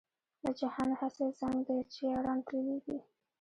له جهانه هسې زنګ دی چې یاران تللي دي.